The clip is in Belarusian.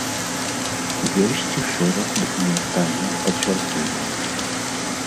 Ёсць і шэраг дакументальных пацвярджэнняў.